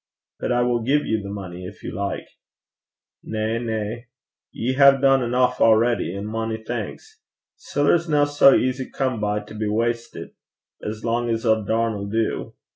'But I will give you the money if you like.' 'Na, na. You hae dune eneuch already, an' mony thanks. Siller's no sae easy come by to be wastit, as lang's a darn 'll do.